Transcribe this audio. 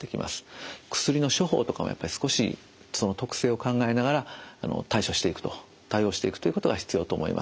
薬の処方とかもやっぱり少しその特性を考えながら対処していくと対応していくということが必要と思います。